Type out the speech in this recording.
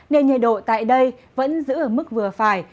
nên nhiệt độ tại đây vẫn giữ ở mức vừa phải